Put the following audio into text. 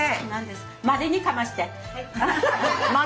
までにかまして。